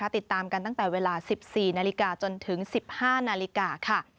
ติดตามกันตั้งแต่เวลา๑๔นาฬิกาจนถึง๑๕นาฬิกาค่ะ